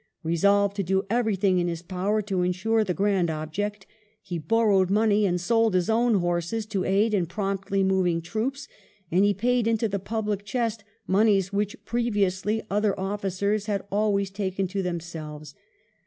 Kesolved to do every thing in his power to "insure the grand object^" he borrowed money and sold his own horses to aid in promptly moving troops, and he paid into the public chest moneys which previously other officers had always "taken to themselves."